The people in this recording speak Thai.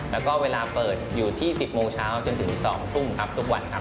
แล้วก็เวลาเปิดอยู่ที่๑๐โมงเช้าจนถึง๒ทุ่มครับทุกวันครับ